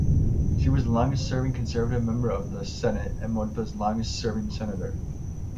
She was the longest-serving Conservative member of the Senate and Manitoba's longest serving senator.